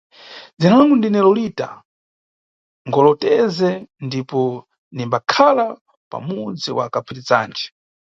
Dzina langu ndine Lolita Ngotoleze ndipo nimbakhala pamudzi wa Kaphirizanje.